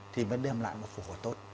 thì mới đem lại một phù hợp tốt